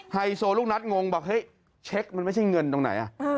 ไฮโซลูกนัดงงบอกเฮ้ยเช็คมันไม่ใช่เงินตรงไหน